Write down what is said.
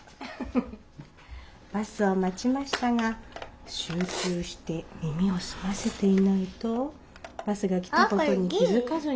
バスを待ちましたが集中して耳を澄ませていないとバスが来たことに気付かずに」。